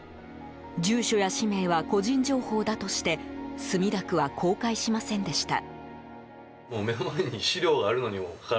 住所や氏名は個人情報だとして墨田区は公開しませんでした。